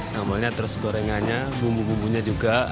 sambalnya terus gorengannya bumbu bumbunya juga